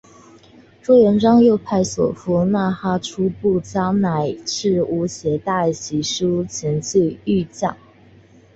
朱元璋又派所俘纳哈出部将乃剌吾携带玺书前去谕降。